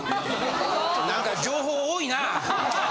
なんか情報多いな。